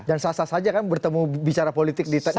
dan sah sah saja kan bertemu bicara politik di mana mana saja